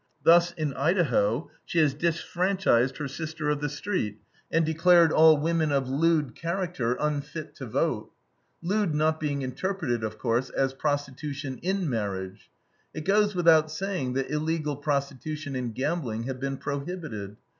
Thus, in Idaho, she has disfranchised her sister of the street, and declared all women of "lewd character" unfit to vote. "Lewd" not being interpreted, of course, as prostitution IN marriage. It goes without saying that illegal prostitution and gambling have been prohibited.